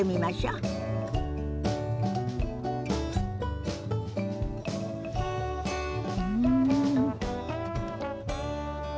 うん。